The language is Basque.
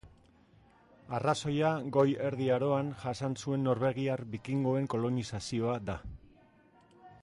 Arrazoia Goi Erdi Aroan jasan zuen norvegiar bikingoen kolonizazioa da.